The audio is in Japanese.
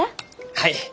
はい。